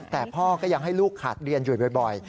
แต่พ่อก็ยังให้ลูกขาดเรียนอยู่บ่อย